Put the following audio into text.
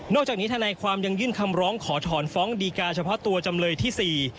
จากนี้ทนายความยังยื่นคำร้องขอถอนฟ้องดีการเฉพาะตัวจำเลยที่๔